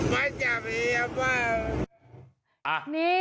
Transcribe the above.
ประจำนี้ยังไม่